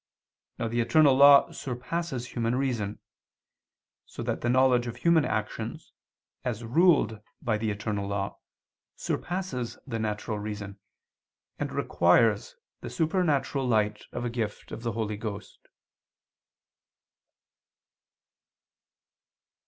Now the eternal law surpasses human reason: so that the knowledge of human actions, as ruled by the eternal law, surpasses the natural reason, and requires the supernatural light of a gift of the Holy Ghost.